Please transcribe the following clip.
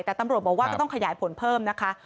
แต่ตำรวจบอกว่าก็ต้องขยายผลเพิ่มนะคะ